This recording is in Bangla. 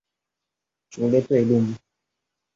চলে তো এলুম।